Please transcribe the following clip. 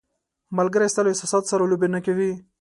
ملګری ستا له احساساتو سره لوبې نه کوي.